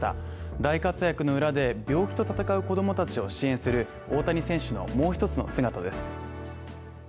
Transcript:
大活躍の裏で、病気と闘う子供たちを支援する大谷選手のもう一つの姿です。